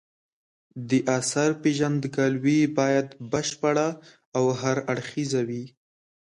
د اثر پېژندګلوي باید بشپړه او هر اړخیزه وي.